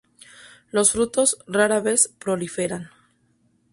Los frutos rara vez proliferan.